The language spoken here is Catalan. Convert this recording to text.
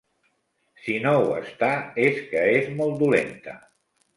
Si no ho està, és que és molt dolenta.